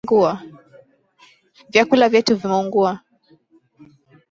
Vyakula vyetu vimeungua